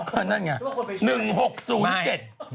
ก็นั่นไง๑๖๐๗